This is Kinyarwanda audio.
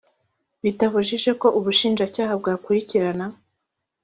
bitabujije ko ubushinjacyaha bwakurikirana